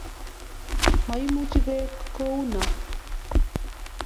Ma-imuchi beek kouna.